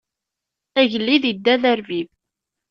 Agellid idda d arbib.